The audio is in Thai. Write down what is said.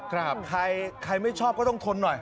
ใครใครไม่ชอบก็ต้องทนหน่อย